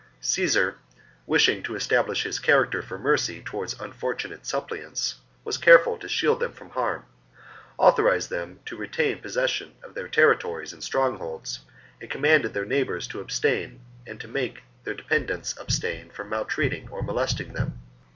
Caesar, wishing to establish his character for mercy towards unfortunate suppliants, was careful to shield them from harm, authorized them to retain possession of their territories and strongholds, and commanded their neighbours to abstain and to make their dependents abstain from maltreating or molesting them.